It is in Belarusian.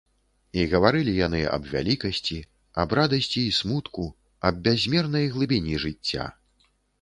І гаварылі яны аб вялікасці, аб радасці і смутку, аб бязмернай глыбіні жыцця.